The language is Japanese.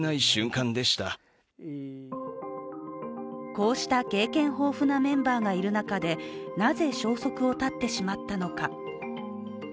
こうした経験豊富なメンバーがいる中でなぜ消息を絶ってしまったのか。